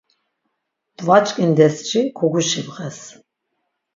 Dvaç̌kindesşi koguşibğes.